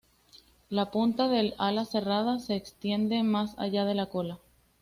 La punta del ala cerrada se extiende más allá de la cola.